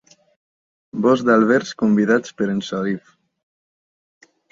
Bosc d'Alberts convidats per en Sharif.